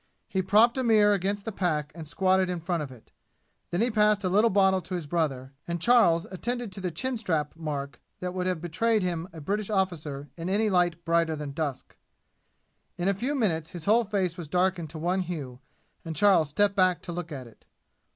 He propped a mirror against the pack and squatted in front of it. Then he passed a little bottle to his brother, and Charles attended to the chin strap mark that would have betrayed him a British officer in any light brighter than dusk. In a few minutes his whole face was darkened to one hue, and Charles stepped back to look at it.